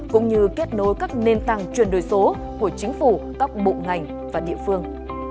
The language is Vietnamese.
cũng như kết nối các nền tảng truyền đổi số của chính phủ các bộ ngành và địa phương